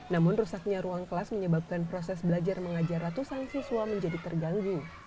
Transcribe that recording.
namun rusaknya ruang kelas menyebabkan proses belajar mengajar ratusan siswa menjadi terganggu